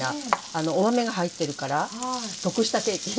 お豆が入ってるから得したケーキ。